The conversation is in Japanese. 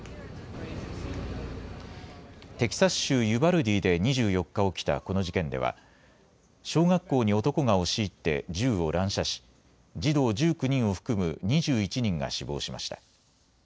テキサス州ユバルディで２４日起きたこの事件では小学校に男が押し入って銃を乱射し児童１９人を含む２１人が死亡しました。